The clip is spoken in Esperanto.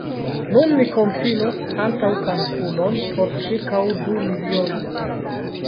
Nun mi kompilos antaŭkalkulon por ĉirkaŭ du milionoj.